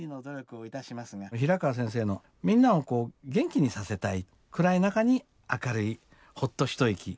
平川先生のみんなを元気にさせたい暗い中に明るいほっと一息を届けるようなね